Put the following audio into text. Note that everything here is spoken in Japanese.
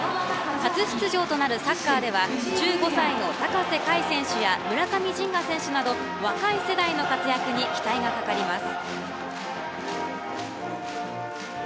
初出場となるサッカーでは１５歳の高瀬櫂選手や村上神雅選手など若い世代の活躍に期待がかかります。